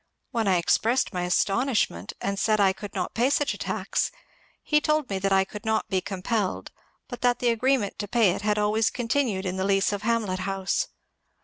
When I expressed my astonish ment and said I could not pay such a tax, he told me that I could not be compelled, but that the agreement to pay it had always continued in the lease of Hamlet House.